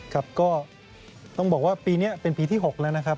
ครับก็ต้องบอกว่าปีนี้เป็นปีที่๖แล้วนะครับ